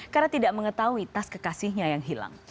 karena tidak mengetahui tas kekasihnya yang hilang